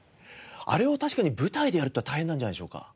あれを確かに舞台でやるっていうのは大変なんじゃないでしょうか？